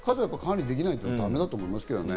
数は管理できないとだめだと思いますね。